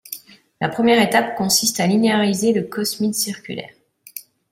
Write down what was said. La première étape consiste à linéariser le cosmide circulaire.